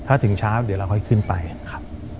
ถ้าถึงเช้าเดี๋ยวเราค่อยขึ้นไปครับ